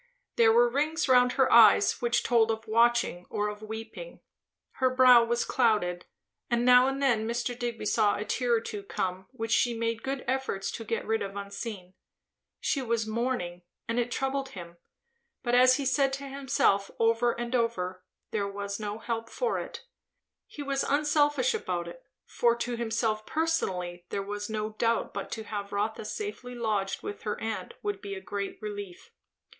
There were rings round her eyes, which told of watching or of weeping; her brow was clouded; and now and then Mr. Digby saw a tear or two come which she made good efforts to get rid of unseen. She was mourning, and it troubled him; but, as he said to himself over and over again, "there was no help for it." He was unselfish about it; for to himself personally there was no doubt but to have Rotha safely lodged with her aunt would be a great relief.